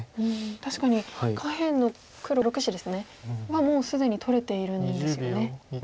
確かに下辺の黒６子ですね。はもう既に取れているんですよね。